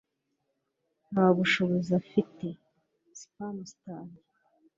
Nta bushobozi afite (Spamster)